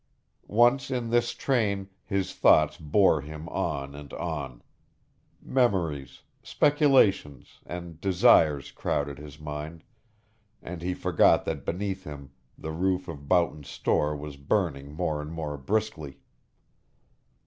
Once in this train his thoughts bore him on and on. Memories, speculations, and desires crowded his mind, and he forgot that beneath him the roof of Boughton's store was burning more and more briskly.